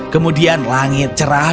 kemudian langit cerah